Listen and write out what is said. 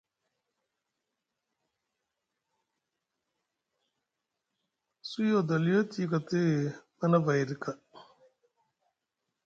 Suwi adoliyo te yikiti manavay ɗa kaa.